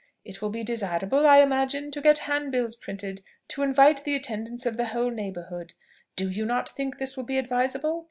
It will be desirable, I imagine, to get handbills printed, to invite the attendance of the whole neighbourhood! Do you not think this will be advisable?